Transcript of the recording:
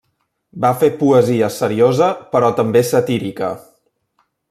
Va fer poesia seriosa, però també satírica.